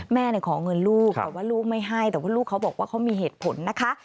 แม่ขอเงินลูกแต่ว่าลูกไม่ให้แต่ว่าลูกเขาบอกว่าเขามีเหตุผลนะคะ